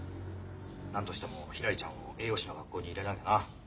なんとしてもひらりちゃんを栄養士の学校に入れなきゃな。